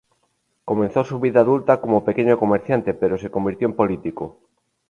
Comenzó su vida adulta como pequeño comerciante, pero se convirtió en político.